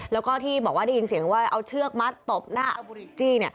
แล้วก็ที่บอกว่าได้ยินเสียงว่าเอาเชือกมัดตบหน้าเอาจี้